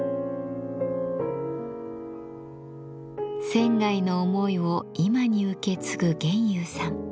仙の思いを今に受け継ぐ玄侑さん。